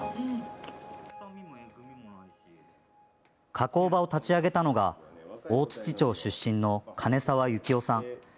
加工場を立ち上げたのが大槌町出身の兼澤幸男さん。